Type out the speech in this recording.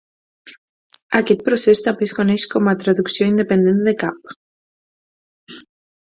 Aquest procés també es coneix com a traducció independent de cap.